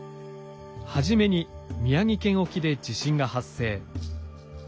初めに宮城県沖で地震が発生。